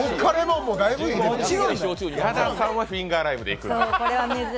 ただ、矢田さんはフィンガーライムでいくんだ。